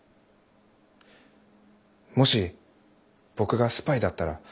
もし僕がスパイだったら。